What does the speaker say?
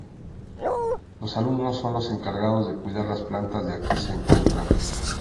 Los alumnos son los encargados de cuidar las plantas que aquí se encuentran.